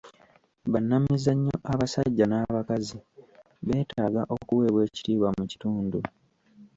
Bannamizannyo abasajja n'abakazi beetaaga okuweebwa ekitiibwa mu kitundu.